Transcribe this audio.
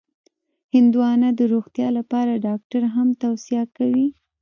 هندوانه د روغتیا لپاره ډاکټر هم توصیه کوي.